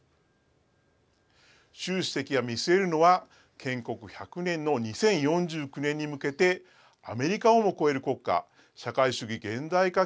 習主席が見据えるのは建国１００年の２０４９年に向けてアメリカをも超える国家社会主義現代化